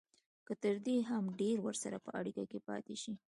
که تر دې هم ډېر ورسره په اړیکه کې پاتې شي